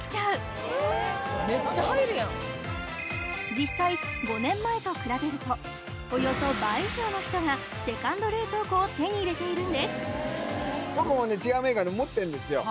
実際５年前と比べるとおよそ倍以上の人がセカンド冷凍庫を手に入れているんです僕もね。